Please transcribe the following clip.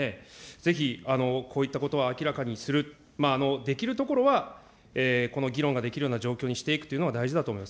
ぜひこういったことを明らかにする、できるところはこの議論ができるようにしていくというのが大事だと思います。